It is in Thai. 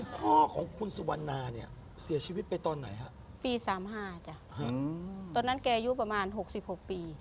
ปีที่สามห้าตอนนั้นแก้อยู่ประมาณ๖๖ปี